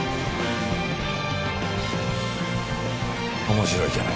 面白いじゃない。